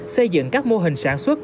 xây dựng các mô hình sản xuất